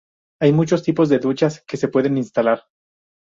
Hay muchos tipos de duchas que se pueden instalar.